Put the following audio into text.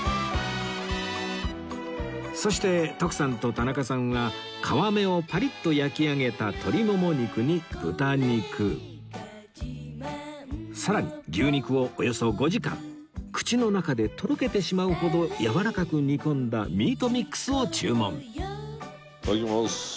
そして徳さんと田中さんは皮目をパリッと焼き上げた鶏もも肉に豚肉さらに牛肉をおよそ５時間口の中でとろけてしまうほどやわらかく煮込んだミートミックスを注文いただきます。